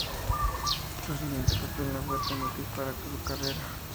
Su siguiente papel no fue tan útil para su carrera.